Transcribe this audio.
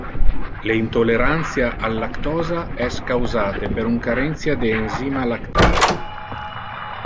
Le intolerantia al lactosa es causate per un carentia de enzyma lactase.